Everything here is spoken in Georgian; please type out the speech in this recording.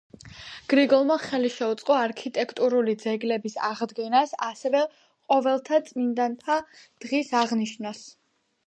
გრიგოლმა ხელი შეუწყო არქიტექტურული ძეგლების აღდგენას, ასევე ყოველთა წმინდანთა დღის აღნიშვნას.